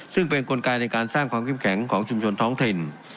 ซึ่งเป็นกลไกในการสร้างความเข้มแข็งของชุมชนท้องถิ่น